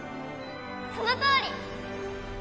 そのとおり！